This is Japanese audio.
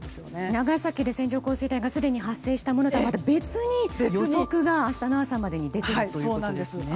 長崎で線状降水帯すでに発生したものとはまた別に、予測が明日の朝までに出ているということですね。